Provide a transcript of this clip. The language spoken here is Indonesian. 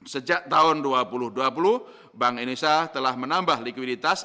sejak tahun dua ribu dua puluh bank indonesia telah menambah likuiditas